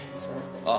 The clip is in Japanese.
ああ。